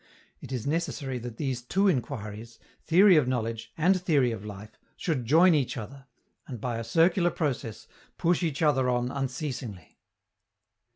It is necessary that these two inquiries, theory of knowledge and theory of life, should join each other, and, by a circular process, push each other on unceasingly.